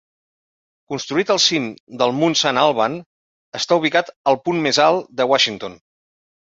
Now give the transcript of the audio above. Construït al cim del Mount Saint Alban, està ubicat al punt més alt de Washington.